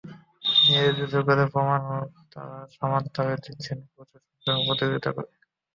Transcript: নিজেদের যোগ্যতার প্রমাণও তাঁরা সমান তালে দিয়ে যাচ্ছেন পুরুষের সঙ্গে প্রতিযোগিতা করেই।